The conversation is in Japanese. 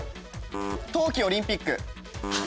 冬季オリンピック。